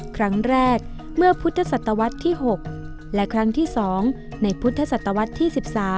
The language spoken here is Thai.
ครั้งแรกเมื่อพุทธศตวรรษที่๖และครั้งที่๒ในพุทธศตวรรษที่๑๓